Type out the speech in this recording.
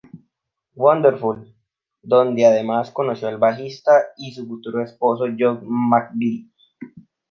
Wonderful", donde además conoció al bajista y su futuro esposo John McVie.